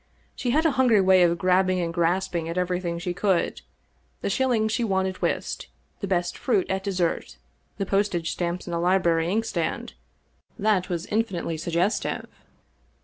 She had a hun gry way of grabbing and grasping at everything she could — the shiUings she won at whist, the best fruit at dessert, the postage stamps in the library inkstand — ^that was infinitely suggestive.